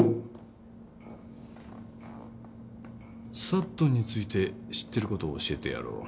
サットンについて知ってることを教えてやろう。